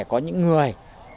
có những người